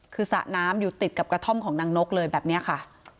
คือสระน้ำอยู่ติดกับกระท่อมของนางนกเลยแบบนี้ค่ะ